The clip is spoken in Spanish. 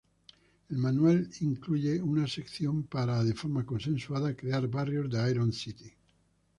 El manual incluye una sección para, de forma consensuada, crear barrios de Iron City.